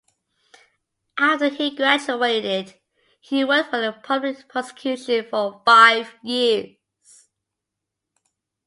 After he graduated, he worked for the Public Prosecution for five years.